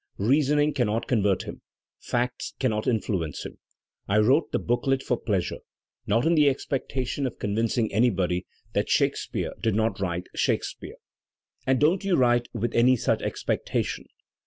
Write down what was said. Reasoning cannot convert him, facts cannot influence him. I wrote the booklet for pleasure — no^ in the expectation of con vincing anybody that Shakespeare did not write Shake speare. And don't you write with any such expectation.